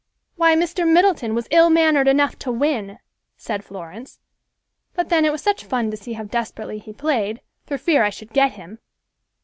"Why, Mr. Middleton was ill mannered enough to win," said Florence, "but then, it was such fun to see how desperately he played, for fear I should get him!